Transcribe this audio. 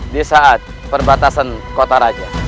di saat perbatasan kota raja